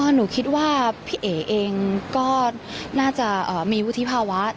หนูคิดว่าพี่เอ๋เองก็น่าจะมีวุฒิภาวะ